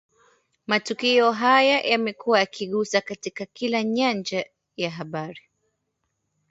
Matukio haya yamekua yakigusa katika kila nyanja ya habari